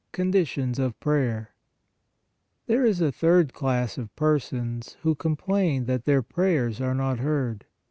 CONDITIONS OF PRAYER There is a third class of persons, who complain that their prayers are not heard.